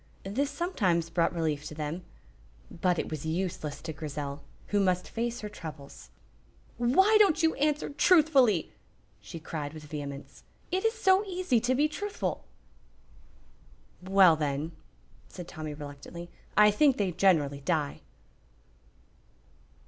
This sometimes brought relief to them, but it was useless to Grizel, who must face her troubles. "Why don't you answer truthfully?" she cried, with vehemence. "It is so easy to be truthful!" "Well, then," said Tommy, reluctantly, "I think they generally die."